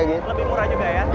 lebih murah juga ya